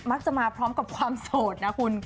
มักจะมาพร้อมกับความโสดนะคุณ